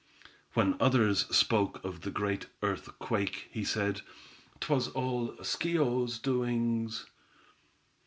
When others spoke of the great earth quake, he said: "'Twas all Schio's doings.